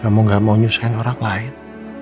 mau gak mau nyusahin orang lain